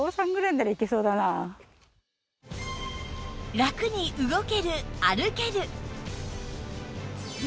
ラクに動ける歩ける